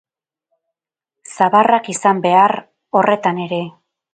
Zabarrak izan behar, horretan ere.